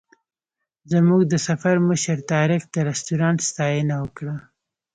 زموږ د سفر مشر طارق د رسټورانټ ستاینه وکړه.